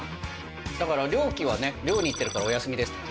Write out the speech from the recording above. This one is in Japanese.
だから猟期は猟に行ってるからお休みですって。